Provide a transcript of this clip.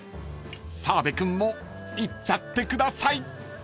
［澤部君もいっちゃってください］